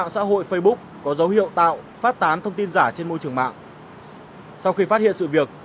sau khi phát hiện sự việc